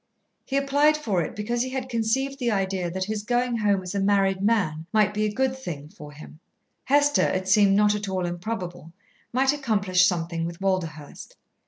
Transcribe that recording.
He applied for it because he had conceived the idea that his going home as a married man might be a good thing for him. Hester, it seemed not at all improbable, might accomplish something with Walderhurst.